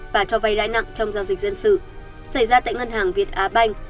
và cho vay lãi nặng trong giao dịch dân sự xảy ra tại ngân hàng việt á banh